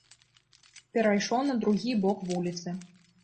Перайшоў на другі бок вуліцы.